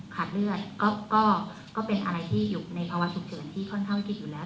ขาดเลือดก็เป็นอะไรที่อยู่ในภาวะฉุกเฉินที่ค่อนข้างวิกฤตอยู่แล้ว